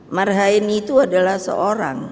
marhain itu adalah seorang